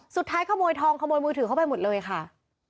ขโมยทองขโมยมือถือเข้าไปหมดเลยค่ะ